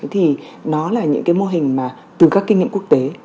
thì nó là những mô hình từ các kinh nghiệm quốc tế